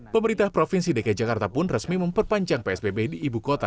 pemerintah provinsi dki jakarta pun resmi memperpanjang psbb di ibu kota